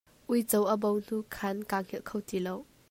Uico a bo hnu khan kaa hngilh kho ti lo.